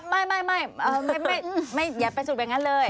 ไม่ไม่อย่าไปสูตรแบบนั้นเลย